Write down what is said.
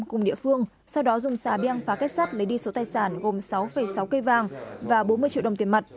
cùng địa phương sau đó dùng xà beng phá kết sắt lấy đi số tài sản gồm sáu sáu cây vàng và bốn mươi triệu đồng tiền mặt